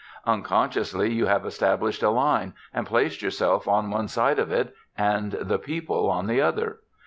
Unconsciously, you have established a line and placed yourself on one side of it and the people on the other.